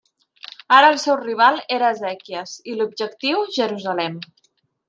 Ara el seu rival era Ezequies i l'objectiu Jerusalem.